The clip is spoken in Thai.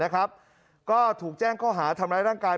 ก็ถูกแจ้งข้อหาทำร้ายร่างกาย